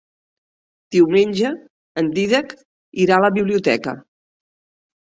Diumenge en Dídac irà a la biblioteca.